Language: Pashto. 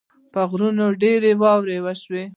په غرونو ډېره واوره وشوه